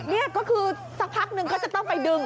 นี่ก็คือสักพักนึงเขาจะต้องไปดึง